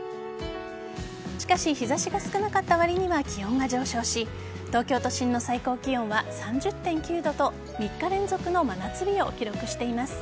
しかし日差しが少なかったわりには気温が上昇し東京都心の最高気温は３０．９度と３日連続の真夏日を記録しています。